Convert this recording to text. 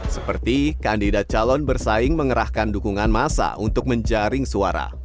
seperti kandidat calon bersaing mengerahkan dukungan masa untuk menjaring suara